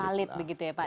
valid begitu ya pak